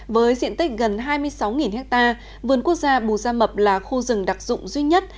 với diện tích gần hai mươi sáu ha vườn quốc gia bù gia mập là khu rừng đặc dụng duy nhất